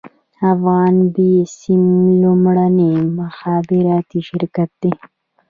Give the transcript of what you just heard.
افغان بیسیم لومړنی مخابراتي شرکت دی